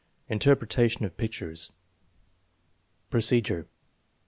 Interpretation of pictures Procedure.